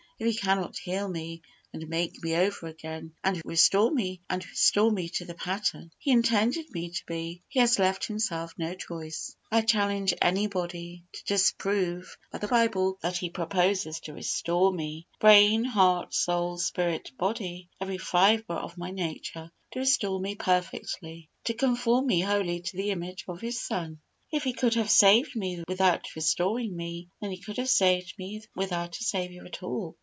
If He cannot heal me, and make me over again, and restore me to the pattern He intended me to be, He has left Himself no choice. I challenge anybody to disprove by the Bible that He proposes to restore me brain, heart, soul, spirit, body, every fibre of my nature to restore me perfectly, to conform me wholly to the image of His Son. If He could have saved me without restoring me, then He could have saved me without a Saviour at all.